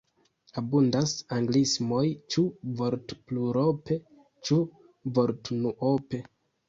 Abundas anglismoj – ĉu vortplurope, ĉu vortunuope.